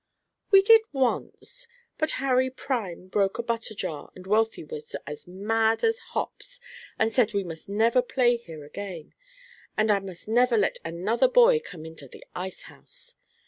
"We did once, but Harry Prime broke a butter jar, and Wealthy was as mad as hops, and said we must never play here again, and I must never let another boy come into the ice house.